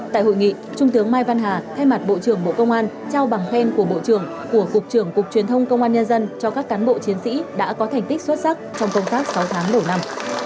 tại hội nghị trung tướng mai văn hà thay mặt bộ trưởng bộ công an trao bằng khen của bộ trưởng của cục trưởng cục truyền thông công an nhân dân cho các cán bộ chiến sĩ đã có thành tích xuất sắc trong công tác sáu tháng đầu năm